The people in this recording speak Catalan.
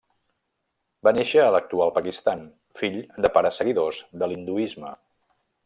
Va néixer a l'actual Pakistan, fill de pares seguidors de l'hinduisme.